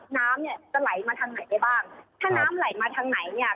น้ำเนี่ยจะไหลมาทางไหนได้บ้างถ้าน้ำไหลมาทางไหนเนี่ย